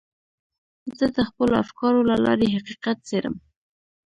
زه د خپلو افکارو له لارې حقیقت څېړم.